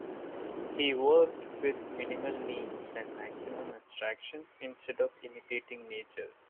He worked with minimal means and maximum abstraction instead of imitating nature.